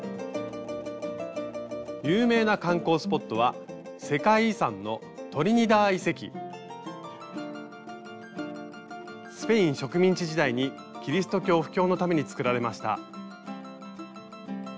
有名な観光スポットは世界遺産のスペイン植民地時代にキリスト教布教のためにつくられました。